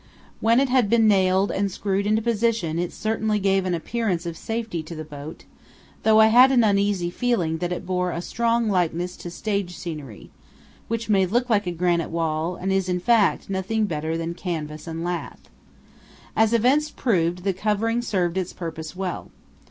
When it had been nailed and screwed into position it certainly gave an appearance of safety to the boat, though I had an uneasy feeling that it bore a strong likeness to stage scenery, which may look like a granite wall and is in fact nothing better than canvas and lath. As events proved, the covering served its purpose well.